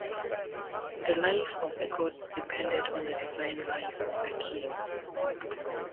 The life of the gods depended on the divine life of the king.